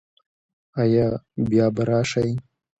ایا بیا به راشئ؟